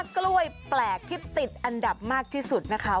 กล้วยแปลกที่ติดอันดับมากที่สุดนะคะ